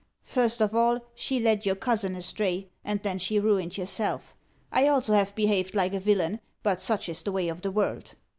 "First of all she led your cousin astray, and then she ruined yourself. I also have behaved like a villain, but such is the way of the world."